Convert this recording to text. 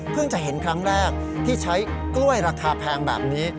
จะเห็นครั้งแรกที่ใช้กล้วยราคาแพงแบบนี้